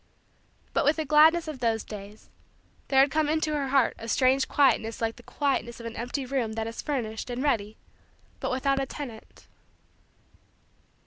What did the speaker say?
But with the gladness of those days, there had come into her heart a strange quietness like the quietness of an empty room that is furnished and ready but without a tenant.